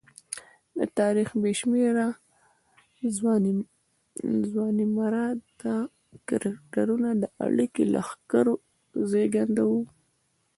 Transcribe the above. د تاریخ بې شمېره ځوانمراده کرکټرونه د اربکي لښکرو زېږنده وو.